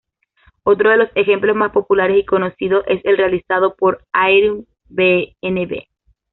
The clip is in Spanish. Otro de los ejemplos más populares y conocidos es el realizado por Airbnb.